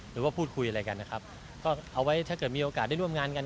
หรือว่าพูดคุยอะไรกันนะครับก็เอาไว้ถ้าเกิดมีโอกาสได้ร่วมงานกัน